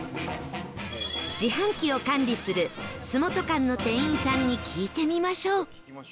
自販機を管理するすもと館の店員さんに聞いてみましょう